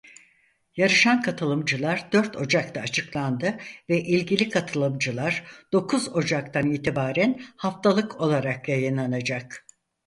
Yarışan katılımcılar dört Ocak'ta açıklandı ve ilgili katılımcılar dokuz Ocak'tan itibaren haftalık olarak yayınlanacak.